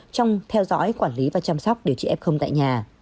trong theo dõi quản lý và chăm sóc điều trị f tại nhà